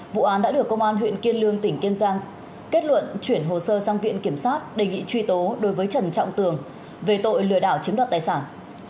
vụ án đã được công an huyện kiên lương tỉnh kiên giang kết luận chuyển hồ sơ sang viện kiểm sát đề nghị truy tố đối với trần trọng tường về tội lừa đảo chiếm đoạt tài sản